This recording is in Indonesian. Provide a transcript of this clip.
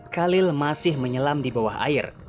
khalil masih menyelam di bawah air